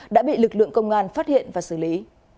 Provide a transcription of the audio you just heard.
đã bị lực lượng công an phát hiện và xử lý